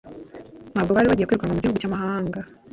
Ntabwo bari bagiye kwirukanwa mu gihugu cy'amahanga,